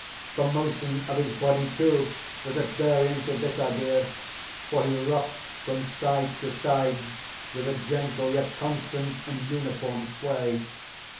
The motion of his body, too, was at variance with this idea—for he rocked from side to side with a gentle yet constant and uniform sway.